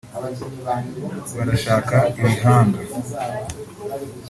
barashaka ibihanga